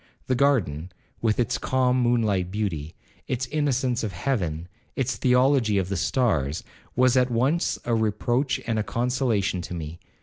The garden, with its calm moon light beauty, its innocence of heaven, its theology of the stars, was at once a reproach and a consolation to me.